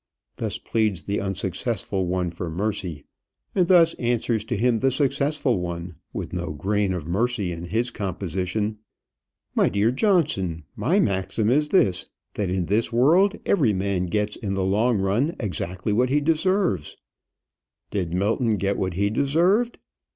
Thus pleads the unsuccessful one for mercy. And thus answers to him the successful one, with no grain of mercy in his composition: "My dear Johnson, my maxim is this, that in this world every man gets in the long run exactly what he deserves " "Did Milton get what he deserved?"